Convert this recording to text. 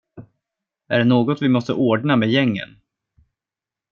Är det något vi måste ordna med gängen?